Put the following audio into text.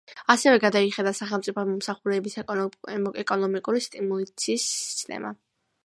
ასევე გადაიხედა სახელმწიფო მოსამსახურეების ეკონომიკური სტიმულაციის სისტემა.